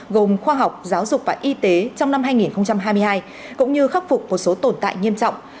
gồm khoa học giáo dục và y tế trong năm hai nghìn hai mươi hai cũng như khắc phục một số tồn tại nghiêm trọng